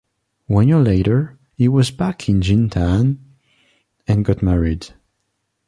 One year later, he was back in Jintan, and got married.